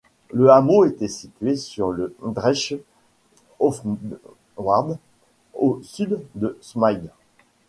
Le hameau est situé sur le Drentsche Hoofdvaart, au sud de Smilde.